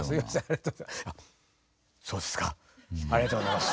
ありがとうございます。